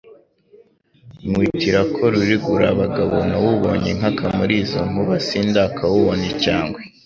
nywitira ko Rurigurabagabo; nawubonye inkaka muri izo nkuba, sindakawubona icyangwe;